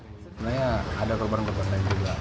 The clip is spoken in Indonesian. sebenarnya ada korban korban lain juga